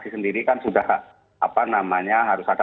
sendiri kan sudah harus ada